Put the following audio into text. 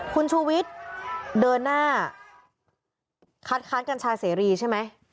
คุณชูวิทย์เดินหน้าคัดค้านกัญชาเสรีใช่ไหม